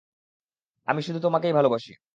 আমি শুধু তোমাকেই ভালবাসি।